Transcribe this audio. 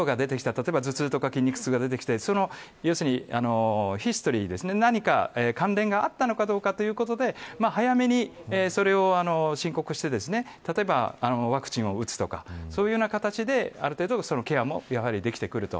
例えば頭痛とか筋肉痛が出てきたりそのヒストリー、何か関連があったのかどうかということで早めに、それを申告して例えば、ワクチンを打つとかそういうような形である程度ケアもできてくると。